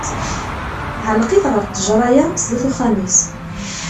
Ɛelleq-it ɣer ṭejra-ya, sdat n uxxam-is.